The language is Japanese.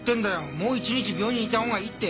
もう一日病院にいたほうがいいって！